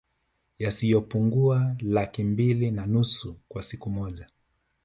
Yasiyopungua Laki mbili na nusu kwa siku moja